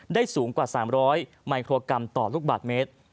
สูงกว่า๓๐๐มิโครกรัมต่อลูกบาทเมตร